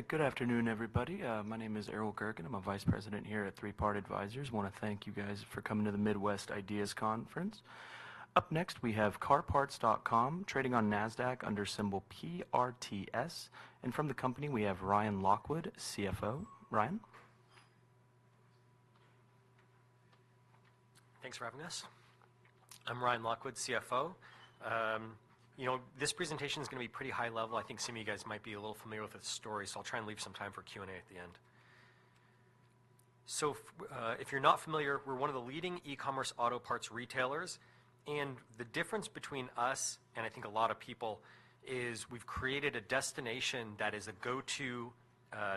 All right. Good afternoon, everybody. My name is Errol Gergen. I'm a Vice President here at Three Part Advisors. Wanna thank you guys for coming to the Midwest IDEAS Conference. Up next, we have CarParts.com, trading on Nasdaq under symbol PRTS, and from the company, we have Ryan Lockwood, CFO. Ryan? Thanks for having us. I'm Ryan Lockwood, CFO. You know, this presentation is gonna be pretty high level. I think some of you guys might be a little familiar with the story, so I'll try and leave some time for Q&A at the end. So, if you're not familiar, we're one of the leading e-commerce auto parts retailers, and the difference between us, and I think a lot of people, is we've created a destination that is a go-to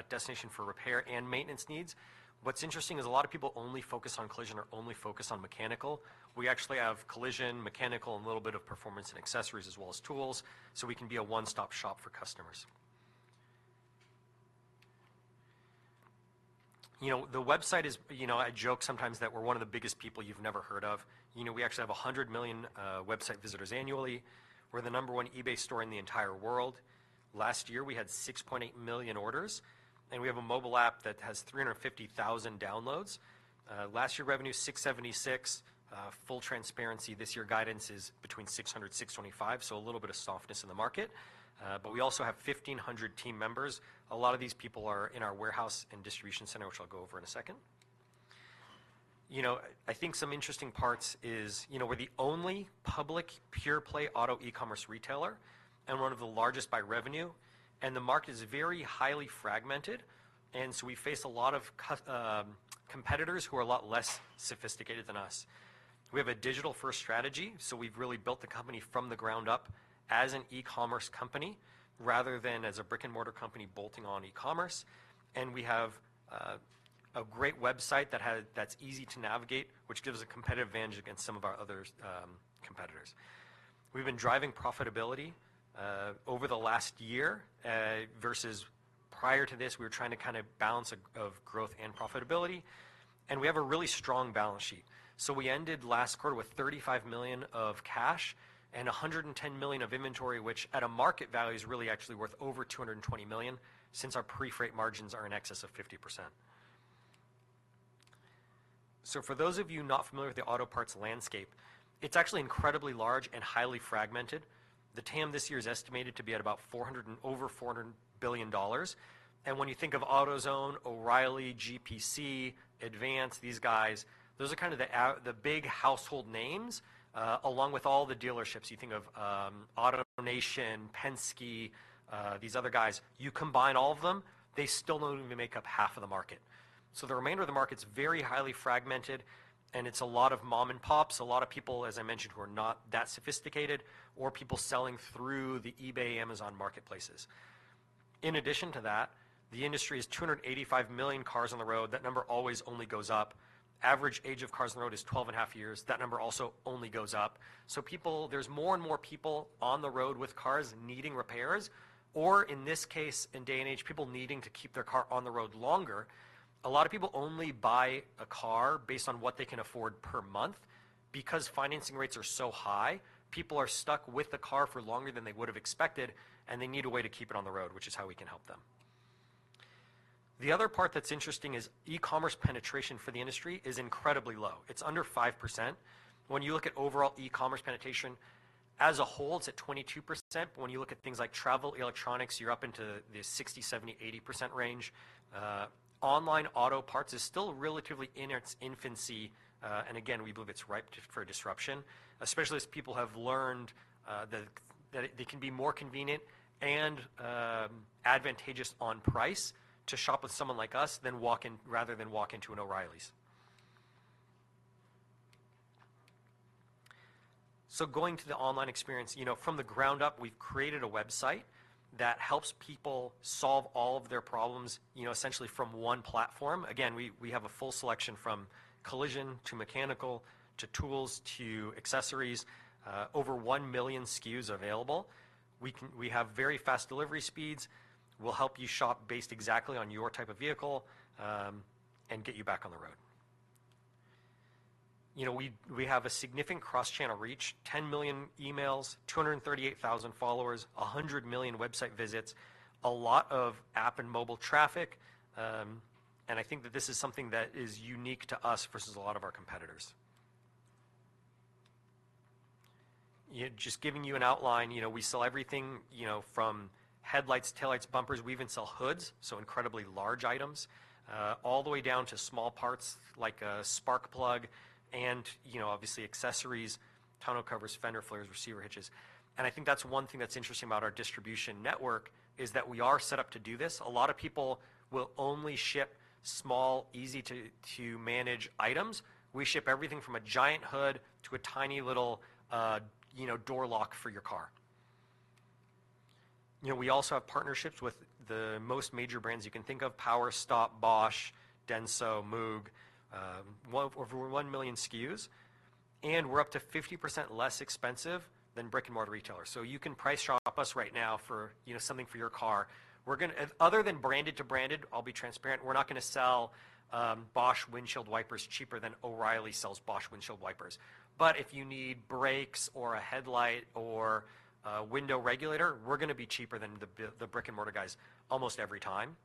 destination for repair and maintenance needs. What's interesting is a lot of people only focus on collision or only focus on mechanical. We actually have collision, mechanical, and a little bit of performance and accessories as well as tools, so we can be a one-stop shop for customers. You know, the website is... You know, I joke sometimes that we're one of the biggest people you've never heard of. You know, we actually have 100 million website visitors annually. We're the number one eBay store in the entire world. Last year, we had 6.8 million orders, and we have a mobile app that has 350,000 downloads. Last year revenue, $676 million. Full transparency, this year guidance is between $600 million and $625 million, so a little bit of softness in the market. But we also have 1,500 team members. A lot of these people are in our warehouse and distribution center, which I'll go over in a second. You know, I think some interesting parts is, you know, we're the only public pure-play auto e-commerce retailer and one of the largest by revenue, and the market is very highly fragmented, and so we face a lot of competitors who are a lot less sophisticated than us. We have a digital-first strategy, so we've really built the company from the ground up as an e-commerce company, rather than as a brick-and-mortar company bolting on e-commerce. And we have a great website that's easy to navigate, which gives us a competitive advantage against some of our other competitors. We've been driving profitability over the last year, versus prior to this, we were trying to kinda balance of growth and profitability, and we have a really strong balance sheet. So we ended last quarter with $35 million of cash and $110 million of inventory, which at a market value, is really actually worth over $220 million, since our pre-freight margins are in excess of 50%. So for those of you not familiar with the auto parts landscape, it's actually incredibly large and highly fragmented. The TAM this year is estimated to be at about four hundred and-- over $400 billion, and when you think of AutoZone, O'Reilly, GPC, Advance, these guys, those are kind of the big household names. Along with all the dealerships, you think of, AutoNation, Penske, these other guys. You combine all of them, they still don't even make up half of the market. The remainder of the market is very highly fragmented, and it is a lot of mom and pops, a lot of people, as I mentioned, who are not that sophisticated or people selling through the eBay, Amazon marketplaces. In addition to that, the industry has 285 million cars on the road. That number always only goes up. The average age of cars on the road is 12.5 years. That number also only goes up. So, people, there are more and more people on the road with cars needing repairs, or in this case, in this day and age, people needing to keep their car on the road longer. A lot of people only buy a car based on what they can afford per month. Because financing rates are so high, people are stuck with the car for longer than they would've expected, and they need a way to keep it on the road, which is how we can help them. The other part that's interesting is e-commerce penetration for the industry is incredibly low. It's under 5%. When you look at overall e-commerce penetration, as a whole, it's at 22%. When you look at things like travel, electronics, you're up into the 60, 70, 80% range. Online auto parts is still relatively in its infancy, and again, we believe it's ripe for disruption, especially as people have learned that it can be more convenient and advantageous on price to shop with someone like us rather than walk into an O'Reilly's. So going to the online experience, you know, from the ground up, we've created a website that helps people solve all of their problems, you know, essentially from one platform. Again, we have a full selection from collision to mechanical, to tools, to accessories. Over one million SKUs available. We have very fast delivery speeds. We'll help you shop based exactly on your type of vehicle, and get you back on the road. You know, we have a significant cross-channel reach, 10 million emails, 238,000 followers, 100 million website visits, a lot of app and mobile traffic, and I think that this is something that is unique to us versus a lot of our competitors. Yeah, just giving you an outline, you know, we sell everything, you know, from headlights, taillights, bumpers, we even sell hoods, so incredibly large items, all the way down to small parts like a spark plug and, you know, obviously, accessories, tonneau covers, fender flares, receiver hitches. And I think that's one thing that's interesting about our distribution network, is that we are set up to do this. A lot of people will only ship small, easy to manage items. We ship everything from a giant hood to a tiny little, you know, door lock for your car. You know, we also have partnerships with the most major brands you can think of, PowerStop, Bosch, Denso, MOOG, over one million SKUs, and we're up to 50% less expensive than brick-and-mortar retailers. So you can price shop us right now for, you know, something for your car. We're gonna other than branded to branded, I'll be transparent, we're not gonna sell Bosch windshield wipers cheaper than O'Reilly sells Bosch windshield wipers. But if you need brakes or a headlight or window regulator, we're gonna be cheaper than the brick-and-mortar guys almost every time.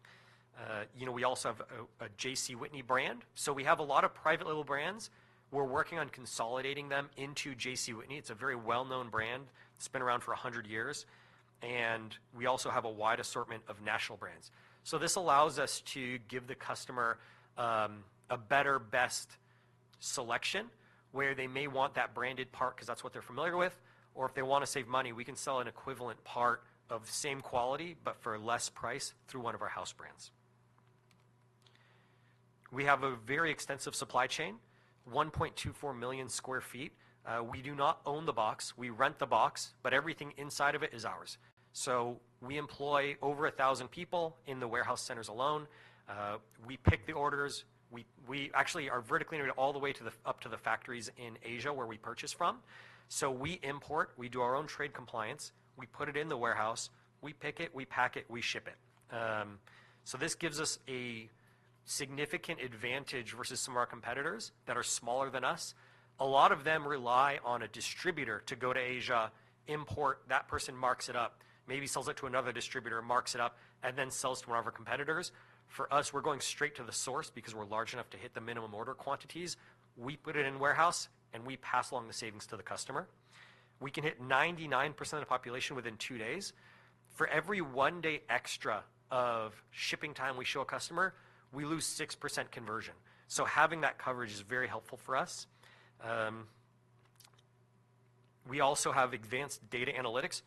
You know, we also have a J.C. Whitney brand, so we have a lot of private label brands. We're working on consolidating them into J.C. Whitney. It's a very well-known brand. It's been around for 100 years, and we also have a wide assortment of national brands. So this allows us to give the customer a better, best selection, where they may want that branded part 'cause that's what they're familiar with, or if they wanna save money, we can sell an equivalent part of the same quality, but for a less price through one of our house brands. We have a very extensive supply chain, 1.24 million sq ft. We do not own the box, we rent the box, but everything inside of it is ours. So we employ over 1,000 people in the warehouse centers alone. We pick the orders. We actually are vertically integrated all the way to the, up to the factories in Asia, where we purchase from. So we import, we do our own trade compliance, we put it in the warehouse, we pick it, we pack it, we ship it. So this gives us a significant advantage versus some of our competitors that are smaller than us. A lot of them rely on a distributor to go to Asia, import, that person marks it up, maybe sells it to another distributor, marks it up, and then sells to one of our competitors. For us, we're going straight to the source because we're large enough to hit the minimum order quantities. We put it in warehouse, and we pass along the savings to the customer. We can hit 99% of the population within two days. For every one day extra of shipping time we show a customer, we lose 6% conversion, so having that coverage is very helpful for us. We also have advanced data analytics.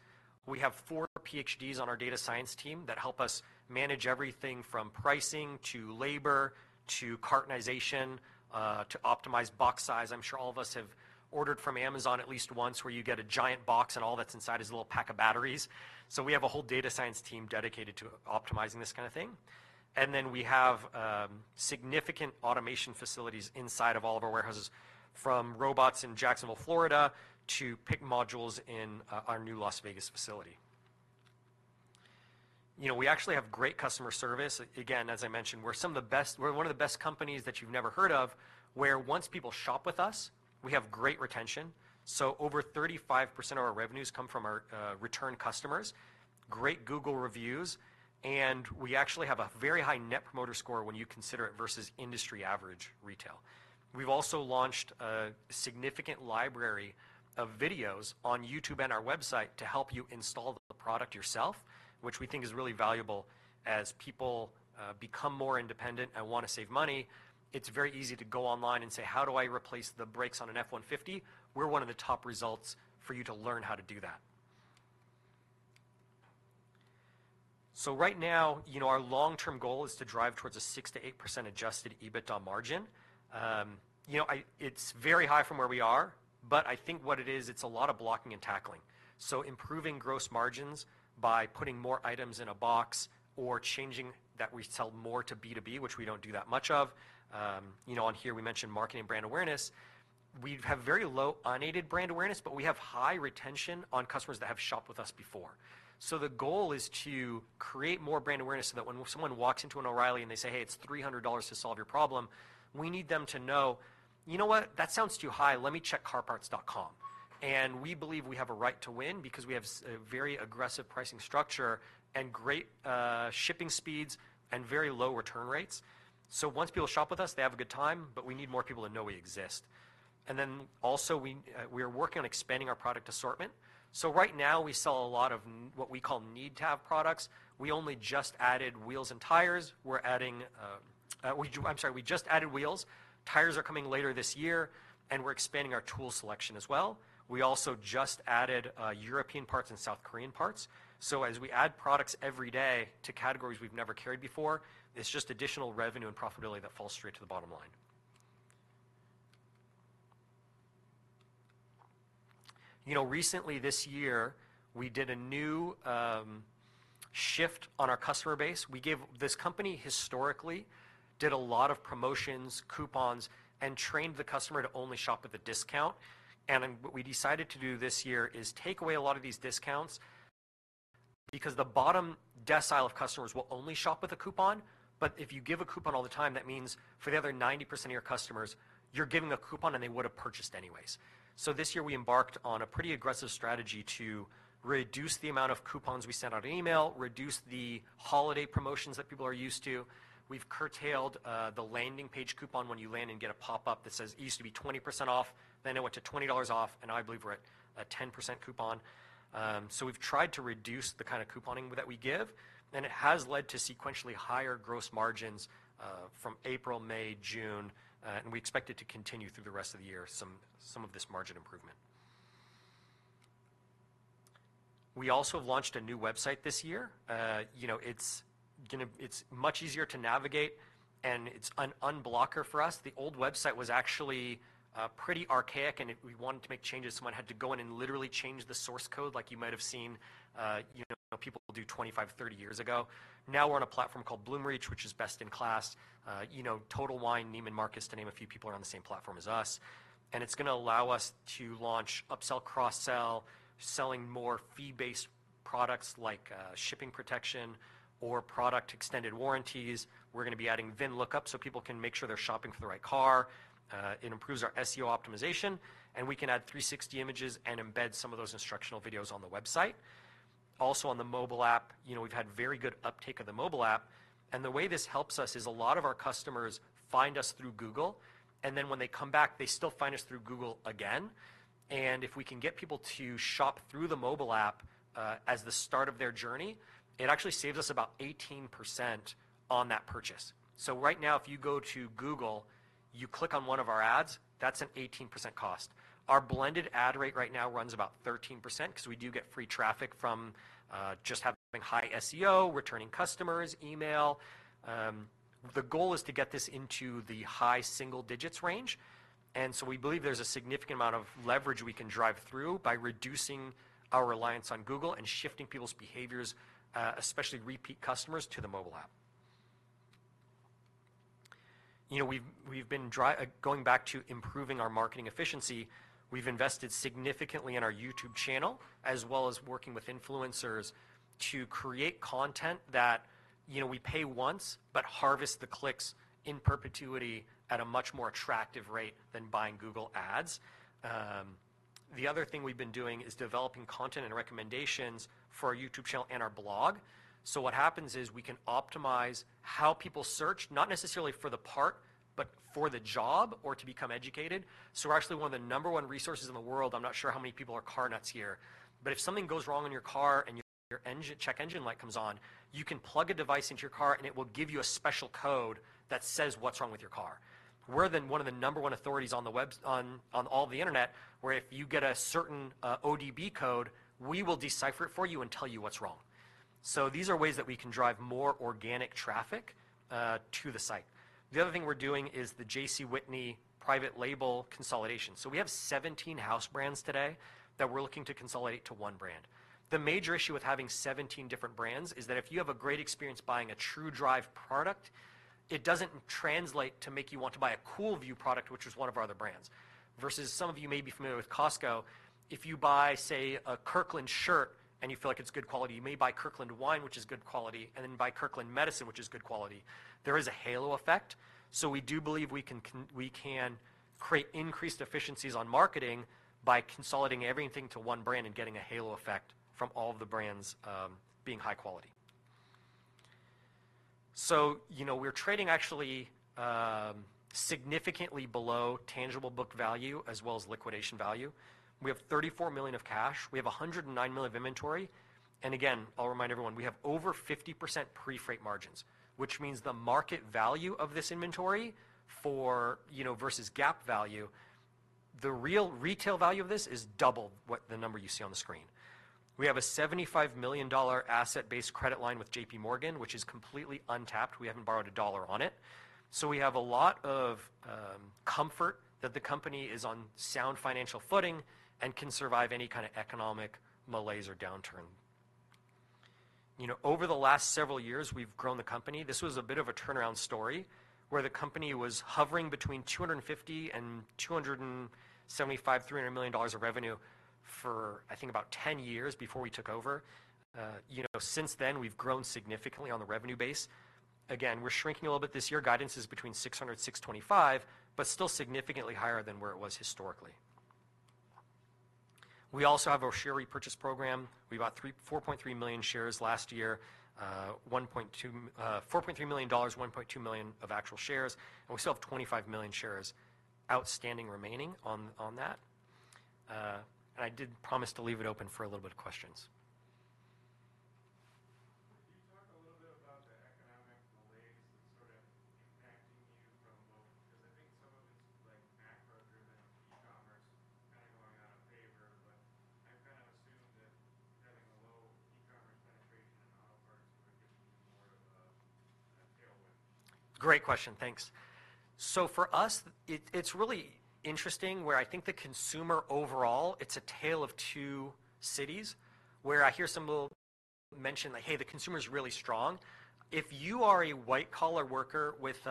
We have four PhDs on our data science team that help us manage everything from pricing to labor to cartonization to optimize box size. I'm sure all of us have ordered from Amazon at least once, where you get a giant box, and all that's inside is a little pack of batteries. So we have a whole data science team dedicated to optimizing this kind of thing. And then we have significant automation facilities inside of all of our warehouses, from robots in Jacksonville, Florida, to pick modules in our new Las Vegas facility. You know, we actually have great customer service. Again, as I mentioned, we're some of the best. We're one of the best companies that you've never heard of, where once people shop with us, we have great retention. So over 35% of our revenues come from our return customers. Great Google reviews, and we actually have a very high Net Promoter Score when you consider it versus industry average retail. We've also launched a significant library of videos on YouTube and our website to help you install the product yourself, which we think is really valuable. As people become more independent and want to save money, it's very easy to go online and say: How do I replace the brakes on an F-150? We're one of the top results for you to learn how to do that. So right now, you know, our long-term goal is to drive towards a 6%-8% Adjusted EBITDA margin. You know, it's very high from where we are, but I think what it is, it's a lot of blocking and tackling. So improving gross margins by putting more items in a box or changing that, we sell more to B2B, which we don't do that much of. You know, on here, we mentioned marketing brand awareness. We have very low unaided brand awareness, but we have high retention on customers that have shopped with us before. The goal is to create more brand awareness, so that when someone walks into an O'Reilly and they say: "Hey, it's $300 to solve your problem," we need them to know, "You know what? That sounds too high. Let me check CarParts.com." We believe we have a right to win because we have a very aggressive pricing structure and great shipping speeds and very low return rates. Once people shop with us, they have a good time, but we need more people to know we exist. Then also, we are working on expanding our product assortment. Right now, we sell a lot of what we call need-to-have products. We only just added wheels and tires. I'm sorry, we just added wheels. Tires are coming later this year, and we're expanding our tool selection as well. We also just added European parts and South Korean parts, so as we add products every day to categories we've never carried before, it's just additional revenue and profitability that falls straight to the bottom line. You know, recently this year, we did a new shift on our customer base. This company historically did a lot of promotions, coupons, and trained the customer to only shop with a discount. Then what we decided to do this year is take away a lot of these discounts because the bottom decile of customers will only shop with a coupon, but if you give a coupon all the time, that means for the other 90% of your customers, you're giving a coupon, and they would have purchased anyways. This year, we embarked on a pretty aggressive strategy to reduce the amount of coupons we sent out in email, reduce the holiday promotions that people are used to. We've curtailed the landing page coupon when you land and get a pop-up that says, it used to be 20% off, then it went to $20 off, and I believe we're at a 10% coupon. We've tried to reduce the kind of couponing that we give, and it has led to sequentially higher gross margins from April, May, June, and we expect it to continue through the rest of the year, some of this margin improvement. We also launched a new website this year. You know, it's much easier to navigate, and it's an unblocker for us. The old website was actually pretty archaic, and if we wanted to make changes, someone had to go in and literally change the source code, like you might have seen, you know, people do twenty-five, thirty years ago. Now, we're on a platform called Bloomreach, which is best in class. You know, Total Wine, Neiman Marcus, to name a few people, are on the same platform as us, and it's gonna allow us to launch upsell, cross-sell, selling more fee-based products like shipping protection or product extended warranties. We're gonna be adding VIN lookup, so people can make sure they're shopping for the right car. It improves our SEO optimization, and we can add three sixty images and embed some of those instructional videos on the website. Also, on the mobile app, you know, we've had very good uptake of the mobile app, and the way this helps us is a lot of our customers find us through Google, and then when they come back, they still find us through Google again. And if we can get people to shop through the mobile app, as the start of their journey, it actually saves us about 18% on that purchase. So right now, if you go to Google, you click on one of our ads, that's an 18% cost. Our blended ad rate right now runs about 13%, 'cause we do get free traffic from, just having high SEO, returning customers, email. The goal is to get this into the high single digits range, and so we believe there's a significant amount of leverage we can drive through by reducing our reliance on Google and shifting people's behaviors, especially repeat customers, to the mobile app. You know, we've been going back to improving our marketing efficiency. We've invested significantly in our YouTube channel, as well as working with influencers to create content that, you know, we pay once, but harvest the clicks in perpetuity at a much more attractive rate than buying Google Ads. The other thing we've been doing is developing content and recommendations for our YouTube channel and our blog. So what happens is, we can optimize how people search, not necessarily for the part, but for the job or to become educated. So we're actually one of the number one resources in the world. I'm not sure how many people are car nuts here, but if something goes wrong in your car and your engine... Check engine light comes on, you can plug a device into your car, and it will give you a special code that says what's wrong with your car. We're then one of the number one authorities on the web, on, on all the internet, where if you get a certain, OBD code, we will decipher it for you and tell you what's wrong. These are ways that we can drive more organic traffic to the site. The other thing we're doing is the J.C. Whitney private label consolidation. We have 17 house brands today that we're looking to consolidate to one brand. The major issue with having 17 different brands is that if you have a great experience buying a TrueDrive product, it doesn't translate to make you want to buy a Kool Vue product, which is one of our other brands. Versus some of you may be familiar with Costco. If you buy, say, a Kirkland shirt and you feel like it's good quality, you may buy Kirkland wine, which is good quality, and then buy Kirkland medicine, which is good quality. There is a halo effect, so we do believe we can create increased efficiencies on marketing by consolidating everything to one brand and getting a halo effect from all of the brands being high quality. So, you know, we're trading actually significantly below tangible book value as well as liquidation value. We have $34 million of cash. We have $109 million of inventory, and again, I'll remind everyone, we have over 50% pre-freight margins, which means the market value of this inventory for... You know, versus GAAP value, the real retail value of this is double what the number you see on the screen. We have a $75 million asset-based credit line with J.P. Morgan, which is completely untapped. We haven't borrowed a dollar on it. So we have a lot of comfort that the company is on sound financial footing and can survive any kind of economic malaise or downturn. You know, over the last several years, we've grown the company. This was a bit of a turnaround story, where the company was hovering between 250 and 275-300 million dollars of revenue for, I think, about 10 years before we took over. You know, since then, we've grown significantly on the revenue base. Again, we're shrinking a little bit this year. Guidance is between $600-$625, but still significantly higher than where it was historically. We also have our share repurchase program. We bought $4.3 million shares last year, $1.2 million of actual shares, and we still have 25 million shares outstanding remaining on that. I did promise to leave it open for a little bit of questions. Can you talk a little bit about the economic malaise that's sort of impacting you from both... 'Cause I think some of it's, like, macro, rather than e-commerce kinda going out of favor, but I kind of assumed that having a low e-commerce penetration in auto parts would give you more of a, a tailwind? Great question. Thanks. So for us, it's really interesting, where I think the consumer overall, it's a tale of two cities, where I hear some people mention, like: "Hey, the consumer's really strong." If you are a white-collar worker with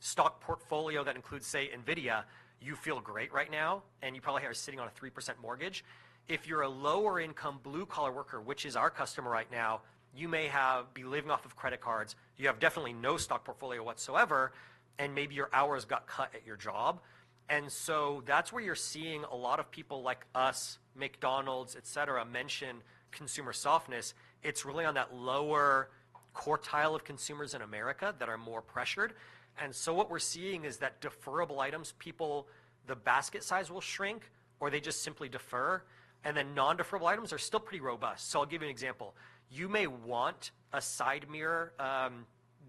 stock portfolio that includes, say, NVIDIA, you feel great right now, and you probably are sitting on a 3% mortgage. If you're a lower income, blue-collar worker, which is our customer right now, you may be living off of credit cards, you have definitely no stock portfolio whatsoever, and maybe your hours got cut at your job. And so that's where you're seeing a lot of people like us, McDonald's, et cetera, mention consumer softness. It's really on that lower quartile of consumers in America that are more pressured. And so what we're seeing is that deferrable items, people, the basket size will shrink or they just simply defer, and then non-deferrable items are still pretty robust. So I'll give you an example. You may want a side mirror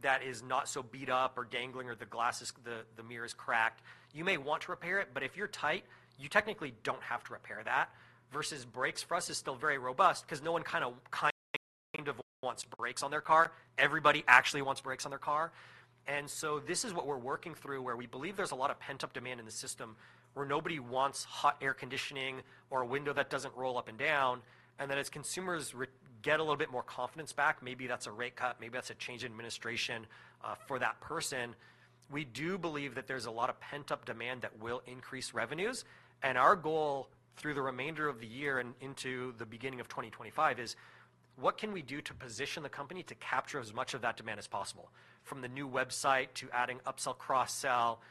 that is not so beat up or dangling, or the glass is the mirror is cracked. You may want to repair it, but if you're tight, you technically don't have to repair that. Versus brakes for us is still very robust 'cause no one kinda wants brakes on their car. Everybody actually wants brakes on their car. And so this is what we're working through, where we believe there's a lot of pent-up demand in the system, where nobody wants hot air conditioning or a window that doesn't roll up and down. And then as consumers regain a little bit more confidence back, maybe that's a rate cut, maybe that's a change in administration, for that reason, we do believe that there's a lot of pent-up demand that will increase revenues. And our goal through the remainder of the year and into the beginning of 2025 is to... What can we do to position the company to capture as much of that demand as possible? From the new website, to adding upsell, cross-sell,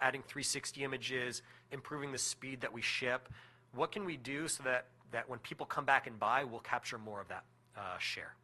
adding 360 images, improving the speed that we ship. What can we do so that when people come back and buy, we'll capture more of that share? I have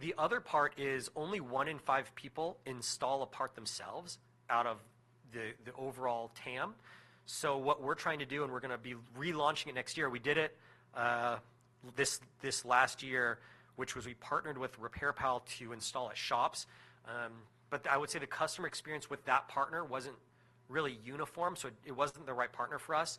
The other part is, only one in five people install a part themselves out of the overall TAM. So what we're trying to do, and we're gonna be relaunching it next year... We did it, this last year, which was we partnered with RepairPal to install at shops. But I would say the customer experience with that partner wasn't really uniform, so it wasn't the right partner for us.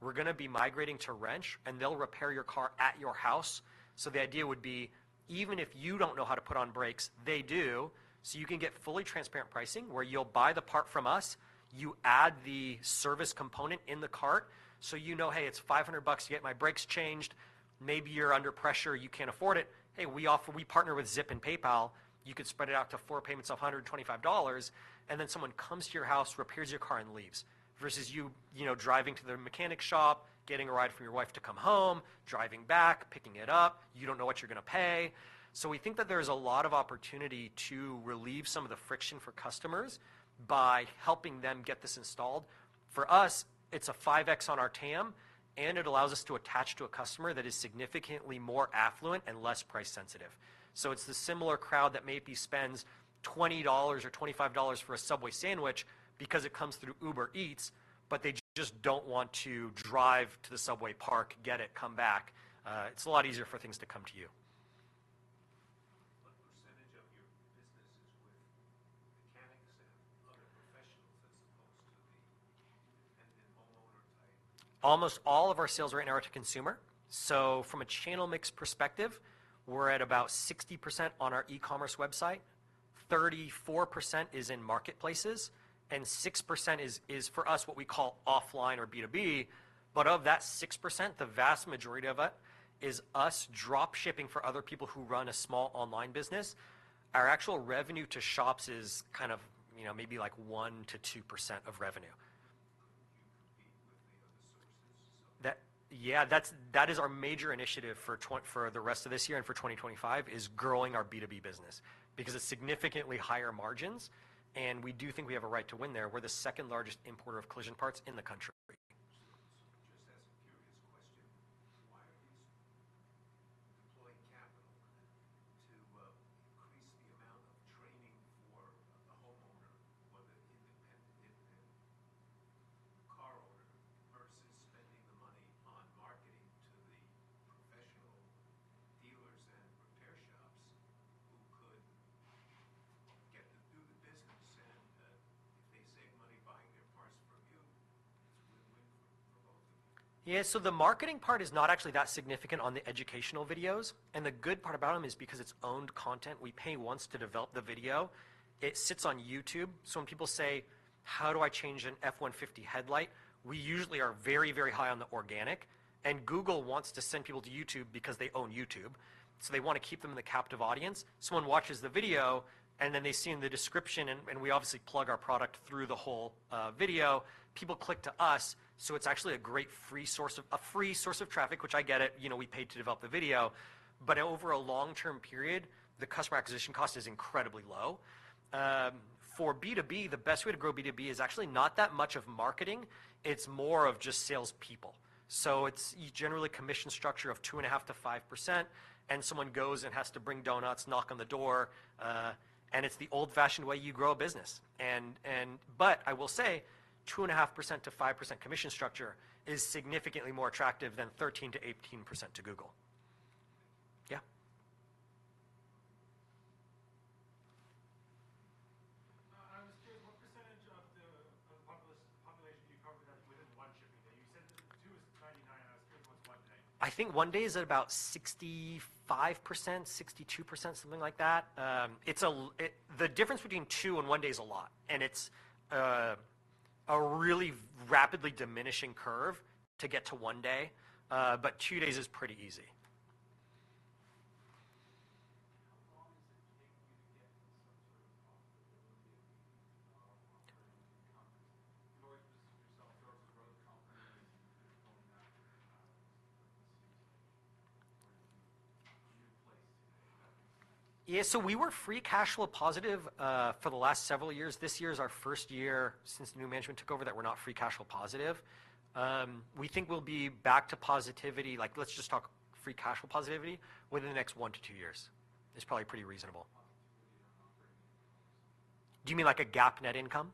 We're gonna be migrating to Wrench, and they'll repair your car at your house. So the idea would be, even if you don't know how to put on brakes, they do. So you can get fully transparent pricing, where you'll buy the part from us, you add the service component in the cart. So you know, "Hey, it's $500 to get my brakes changed." Maybe you're under pressure, you can't afford it, hey, we offer. We partner with Zip and PayPal. You could spread it out to four payments of $125, and then someone comes to your house, repairs your car, and leaves. Versus you, you know, driving to the mechanic shop, getting a ride from your wife to come home, driving back, picking it up, you don't know what you're gonna pay. So we think that there's a lot of opportunity to relieve some of the friction for customers by helping them get this installed. For us, it's a five X on our TAM, and it allows us to attach to a customer that is significantly more affluent and less price sensitive. So it's the similar crowd that maybe spends $20 or $25 for a Subway sandwich because it comes through Uber Eats, but they just don't want to drive to the Subway, park, get it, come back. It's a lot easier for things to come to you. What percentage of your business is with mechanics and other professionals, as opposed to the independent homeowner type? Almost all of our sales right now are to consumer. So from a channel mix perspective, we're at about 60% on our e-commerce website, 34% is in marketplaces, and 6% is for us, what we call offline or B2B. But of that 6%, the vast majority of it is us drop shipping for other people who run a small online business. Our actual revenue to shops is kind of, you know, maybe, like, 1%-2% of revenue. Could you compete with the other sources? Yeah, that is our major initiative for the rest of this year and for 2025, is growing our B2B business, because it's significantly higher margins, and we do think we have a right to win there. We're the second largest importer of collision parts in the country. so it's actually a great free source of traffic, which I get it, you know, we paid to develop the video. But over a long-term period, the customer acquisition cost is incredibly low. For B2B, the best way to grow B2B is actually not that much of marketing, it's more of just salespeople. So it's generally commission structure of 2.5%-5%, and someone goes and has to bring donuts, knock on the door, and it's the old-fashioned way you grow a business. But I will say, 2.5%-5% commission structure is significantly more attractive than 13%-18% to Google. I was curious, what percentage of the population do you cover that within one shipping day? You said two is 99%, and I was curious what's one day. I think one day is at about 65%, 62%, something like that. The difference between two and one day is a lot, and it's a really rapidly diminishing curve to get to one day. But two days is pretty easy. How long does it take you to get to some sort of profitability of return on your conference? You already mentioned yourself, you're a growth company, and you're going after this new place today. Yeah. So we were free cash flow positive for the last several years. This year is our first year since the new management took over, that we're not free cash flow positive. We think we'll be back to positivity, like, let's just talk free cash flow positivity, within the next one to two years. It's probably pretty reasonable. Do you mean like a GAAP net income?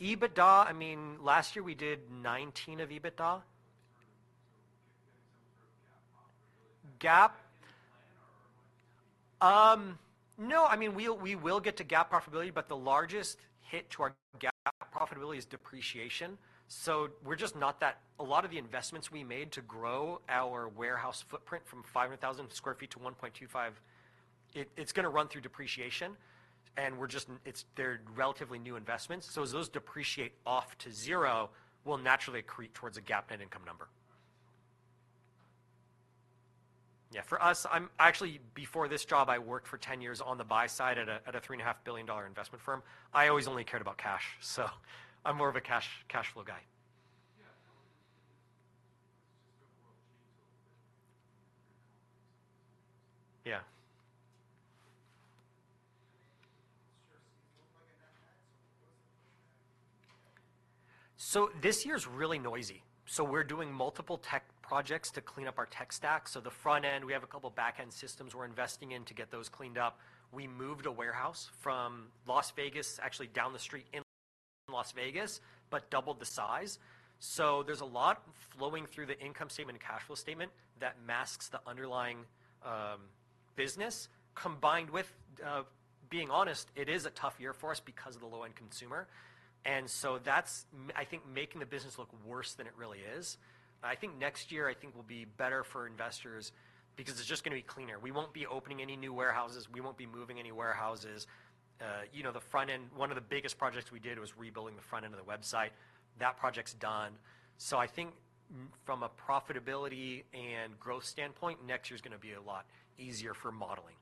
Sure, or like operating EBITDA. EBITDA. I mean, last year we did 19 of EBITDA. So you're getting some sort of GAAP profitability- GAAP Is that in the plan or like- No, I mean, we will get to GAAP profitability, but the largest hit to our GAAP profitability is depreciation. So a lot of the investments we made to grow our warehouse footprint from 500,000 sq ft to 1.25, it's gonna run through depreciation, and we're just. It's, they're relatively new investments, so as those depreciate off to zero, we'll naturally accrete towards a GAAP net income number. Yeah, for us, actually, before this job, I worked for ten years on the buy side at a three and a half billion dollar investment firm. I always only cared about cash, so I'm more of a cash, cash flow guy. Yeah. It's just the world changed a little bit in the last few years. Yeah. Sure. Does it look like a net net? So this year's really noisy. So we're doing multiple tech projects to clean up our tech stack. So the front end, we have a couple backend systems we're investing in to get those cleaned up. We moved a warehouse from Las Vegas, actually down the street in Las Vegas, but doubled the size. So there's a lot flowing through the income statement and cash flow statement that masks the underlying business. Combined with being honest, it is a tough year for us because of the low-end consumer. And so that's, I think, making the business look worse than it really is. I think next year, I think, will be better for investors because it's just gonna be cleaner. We won't be opening any new warehouses. We won't be moving any warehouses. You know, the front end, one of the biggest projects we did was rebuilding the front end of the website. That project's done. So I think from a profitability and growth standpoint, next year's gonna be a lot easier for modeling.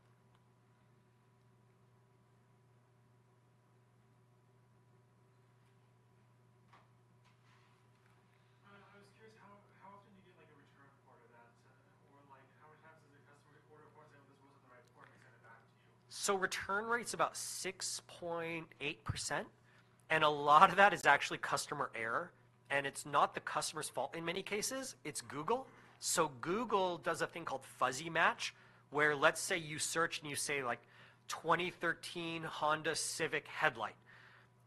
I was curious, how often do you get, like, a return part of that? Or like, how many times does a customer order a part and say, "Well, this wasn't the right part," and send it back to you? So return rate's about 6.8%, and a lot of that is actually customer error, and it's not the customer's fault. In many cases, it's Google. So Google does a thing called fuzzy match, where, let's say, you search, and you say, like, "2013 Honda Civic headlight."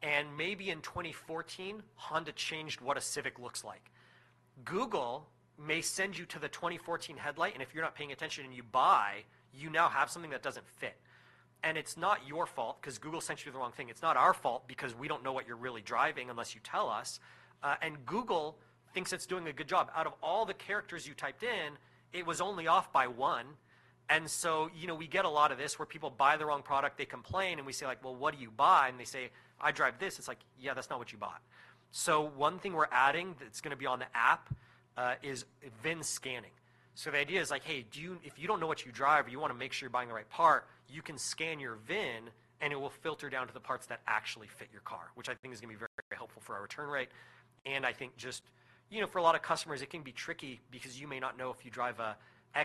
And maybe in 2014, Honda changed what a Civic looks like. Google may send you to the 2014 headlight, and if you're not paying attention and you buy, you now have something that doesn't fit. And it's not your fault, 'cause Google sent you the wrong thing. It's not our fault, because we don't know what you're really driving unless you tell us. And Google thinks it's doing a good job. Out of all the characters you typed in, it was only off by one, and so, you know, we get a lot of this, where people buy the wrong product, they complain, and we say, like, "Well, what did you buy?" And they say, "I drive this." It's like, "Yeah, that's not what you bought." So one thing we're adding, that's gonna be on the app, is VIN scanning. So the idea is, like, hey, do you... If you don't know what you drive, but you wanna make sure you're buying the right part, you can scan your VIN, and it will filter down to the parts that actually fit your car, which I think is gonna be very helpful for our return rate. I think just, you know, for a lot of customers, it can be tricky because you may not know if you drive a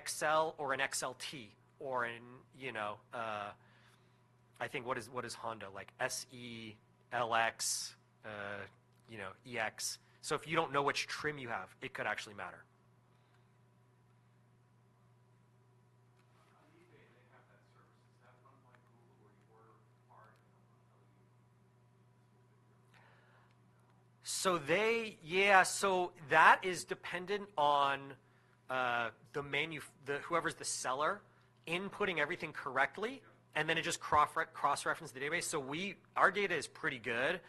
XL or an XLT or an, you know. I think, what is Honda? Like, SE, LX, you know, EX. If you don't know which trim you have, it could actually matter. On eBay, they have that service. Is that unlike Google, where you order a part, and they'll tell you? So they... Yeah, so that is dependent on whoever's the seller inputting everything correctly. Yeah... and then it just cross-references the database. So we, our data is pretty good,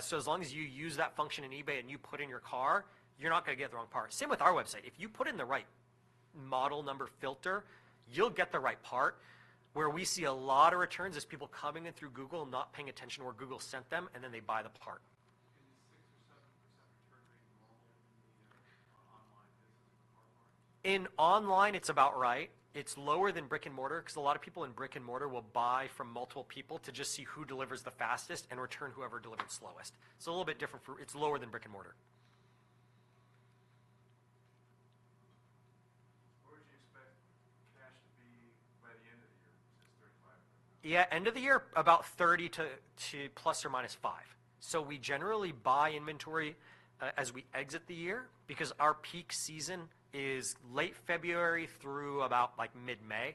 so as long as you use that function in eBay, and you put in your car, you're not gonna get the wrong part. Same with our website. If you put in the right model number filter, you'll get the right part. Where we see a lot of returns is people coming in through Google and not paying attention, where Google sent them, and then they buy the part. Is 6% or 7% return rate normal in the online business, the car part? In online, it's about right. It's lower than brick-and-mortar, 'cause a lot of people in brick-and-mortar will buy from multiple people to just see who delivers the fastest and return whoever delivered slowest. It's lower than brick-and-mortar. What would you expect cash to be by the end of the year, since thirty-five? Yeah, end of the year, about 30 plus or minus 5. So we generally buy inventory as we exit the year because our peak season is late February through about, like, mid-May.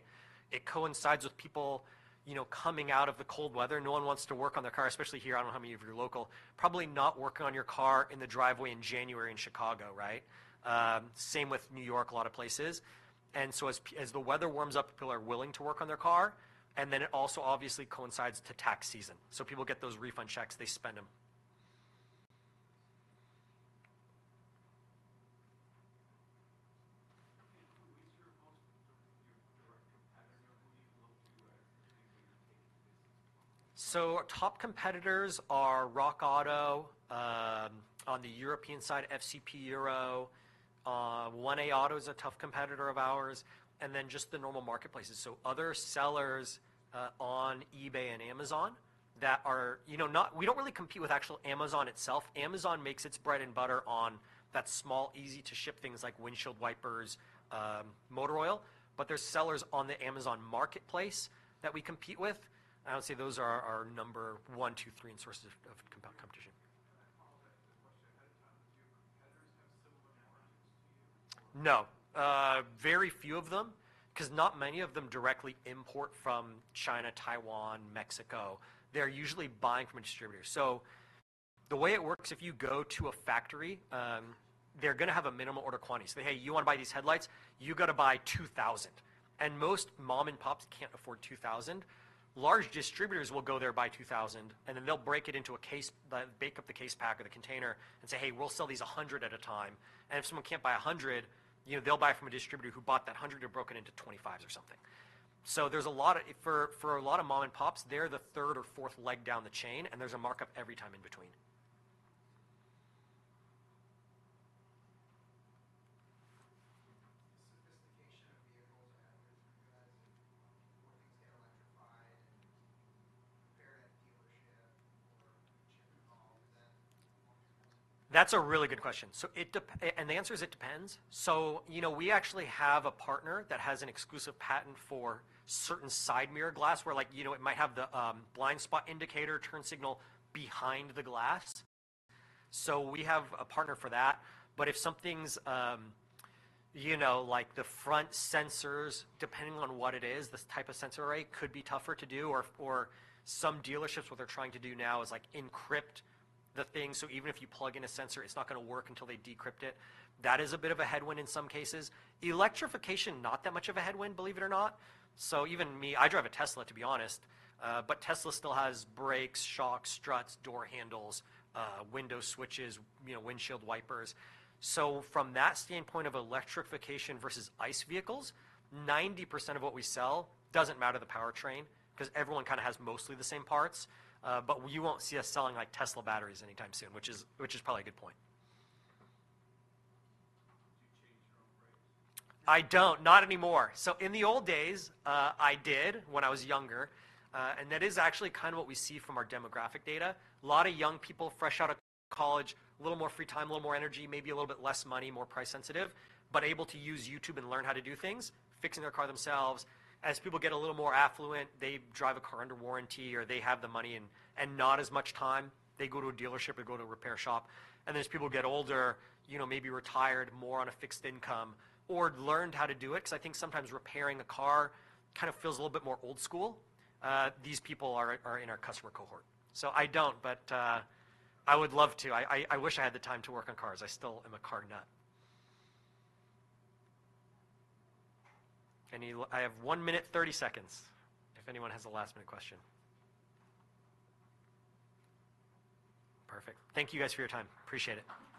It coincides with people, you know, coming out of the cold weather. No one wants to work on their car, especially here. I don't know how many of you are local. Probably not working on your car in the driveway in January in Chicago, right? Same with New York, a lot of places. And so as the weather warms up, people are willing to work on their car, and then it also obviously coincides to tax season. So people get those refund checks, they spend them. Okay, who is your most direct competitor? Who do you look to to maintain this? So our top competitors are RockAuto, on the European side, FCP Euro. 1A Auto is a tough competitor of ours, and then just the normal marketplaces, so other sellers on eBay and Amazon that are, you know, not-- We don't really compete with actual Amazon itself. Amazon makes its bread and butter on that small, easy-to-ship things like windshield wipers, motor oil, but there's sellers on the Amazon Marketplace that we compete with. I would say those are our number one, two, three in sources of compound competition. No, very few of them, 'cause not many of them directly import from China, Taiwan, Mexico. They're usually buying from a distributor. So the way it works, if you go to a factory, they're gonna have a minimum order quantity. Say, "Hey, you wanna buy these headlights? You gotta buy 2,000." And most mom-and-pops can't afford 2,000. Large distributors will go there, buy 2,000, and then they'll break it into a case, make up the case pack or the container, and say, "Hey, we'll sell these 100 at a time." And if someone can't buy 100, you know, they'll buy from a distributor who bought that 100 or broken into twenty-fives or something. So there's a lot of... For a lot of mom-and-pops, they're the third or fourth leg down the chain, and there's a markup every time in between. Sophistication of vehicles and as things get electrified, repair at dealership or should involve them? That's a really good question. So, it depends and the answer is, it depends. So, you know, we actually have a partner that has an exclusive patent for certain side mirror glass, where like, you know, it might have the blind spot indicator turn signal behind the glass. So we have a partner for that, but if something's, you know, like the front sensors, depending on what it is, the type of sensor array, could be tougher to do, or some dealerships, what they're trying to do now is, like, encrypt the thing. So even if you plug in a sensor, it's not gonna work until they decrypt it. That is a bit of a headwind in some cases. Electrification, not that much of a headwind, believe it or not. So even me, I drive a Tesla, to be honest, but Tesla still has brakes, shocks, struts, door handles, window switches, you know, windshield wipers. So from that standpoint of electrification versus ICE vehicles, 90% of what we sell doesn't matter the powertrain, 'cause everyone kind of has mostly the same parts. But you won't see us selling, like, Tesla batteries anytime soon, which is probably a good point. Do you change your own brakes? I don't, not anymore. So in the old days, I did when I was younger, and that is actually kind of what we see from our demographic data. A lot of young people, fresh out of college, a little more free time, a little more energy, maybe a little bit less money, more price-sensitive, but able to use YouTube and learn how to do things, fixing their car themselves. As people get a little more affluent, they drive a car under warranty, or they have the money and, and not as much time, they go to a dealership or go to a repair shop. As people get older, you know, maybe retired, more on a fixed income, or learned how to do it, 'cause I think sometimes repairing a car kind of feels a little bit more old school. These people are in our customer cohort. So I don't, but, I would love to. I wish I had the time to work on cars. I still am a car nut. Any... I have one minute, thirty seconds, if anyone has a last-minute question. Perfect. Thank you, guys, for your time. Appreciate it.